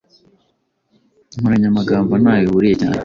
inkoranyamagambo ntaho ihuriye cyane